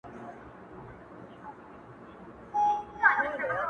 نو ما د دغه حمد د مکمل کیدو شعوري هڅه وکړه